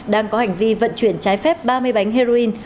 đang có hành vi vận chuyển trái phép ba mươi bánh heroin